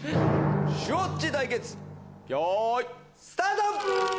シュウォッチ対決よいスタート！